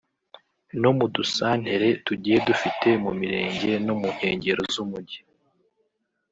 no mu dusantere tugiye dufite mu mirenge no mu nkengero z’umujyi